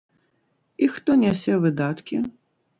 І хто нясе выдаткі?